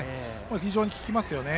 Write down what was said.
非常に効きますよね。